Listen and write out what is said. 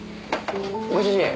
ご主人